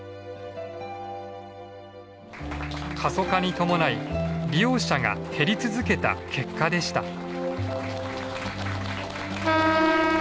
過疎化に伴い利用者が減り続けた結果でした。